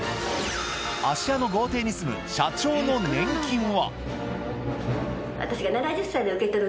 芦屋の豪邸に住む社長の年金は？